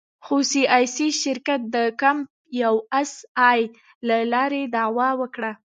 خو سي او سي شرکت د کمپ یو اس اې له لارې دعوه وکړه.